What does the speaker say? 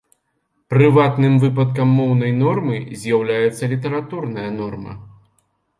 Прыватным выпадкам моўнай нормы з'яўляецца літаратурная норма.